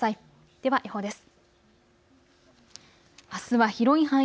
では予報です。